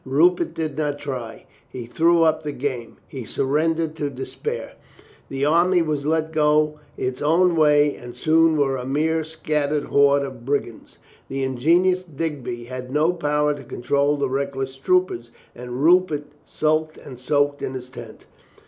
Rupert did not try. He threw up the game. He surrendered to despair. The army was let go its own way, and soon was a mere scattered horde of brigands. The ingenious Digby had no power to control the reckless troopers, and Rupert sulked and soaked in his tent.